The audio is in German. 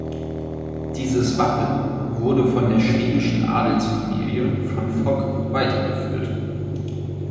Dieses Wappen wurde von der schwedischen Adelsfamilie von Fock weitergeführt.